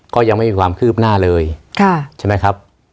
ก็ยังไม่มีความคืบหน้าเลยใช่ไหมครับ